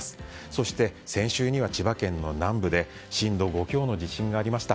そして、先週には千葉県の南部で震度５強の地震がありました。